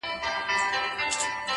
نیک اخلاق د انسان اصلي ښکلا ده’